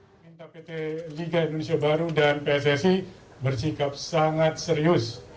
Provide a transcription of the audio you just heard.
meminta pt liga indonesia baru dan pssi bersikap sangat serius